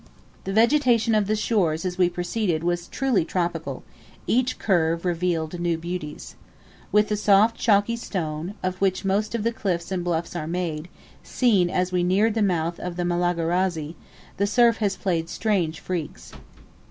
The vegetation of the shores as we proceeded was truly tropical, each curve revealed new beauties. With the soft chalky stone, of which most of the cliffs and bluffs are made, seen as we neared the mouth of the Malagarazi, the surf has played strange freaks.